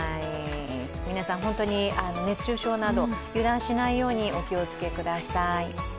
皆さん本当に熱中症など油断しないようにお気をつけください。